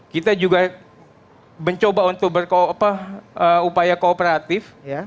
kita juga mencoba untuk berupaya kooperatif